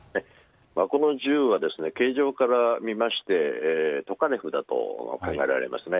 この銃は形状から見ましてトカレフだと考えられますね。